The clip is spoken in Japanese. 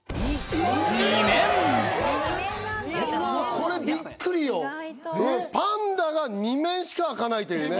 これビックリよパンダが２面しかあかないというね